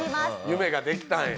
夢ができたんや。